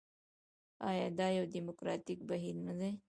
آیا دا یو ډیموکراټیک بهیر نه دی؟